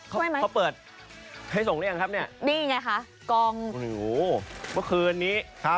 รอไว้ที่นี่เหรอ